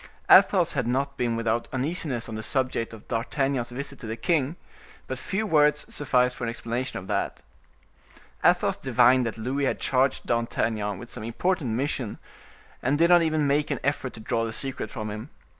Athos had not been without uneasiness on the subject of D'Artagnan's visit to the king; but few words sufficed for an explanation of that. Athos divined that Louis had charged D'Artagnan with some important mission, and did not even make an effort to draw the secret from him.